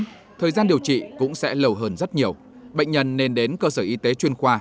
để bảo đảm thời gian điều trị cũng sẽ lâu hơn rất nhiều bệnh nhân nên đến cơ sở y tế chuyên khoa